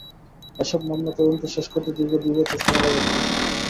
এসব মামলার তদন্ত শেষ করতে দীর্ঘ দুই বছর সময় লাগে পুলিশের।